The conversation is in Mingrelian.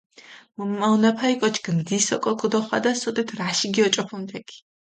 მჷმაჸონაფალი კოჩქ ნდის ოკო ქჷდოხვადას, სოდეთ რაში გიოჭოფუნ თექ.